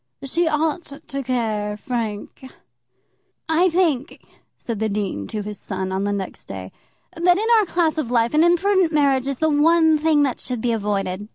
"She ought to care, Frank." "I think," said the dean to his son, on the next day, "that in our class of life an imprudent marriage is the one thing that should be avoided.